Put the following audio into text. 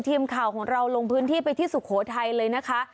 ทีมข่าวของเราลงพื้นที่ไปที่สุโขทัยเลยนะคะ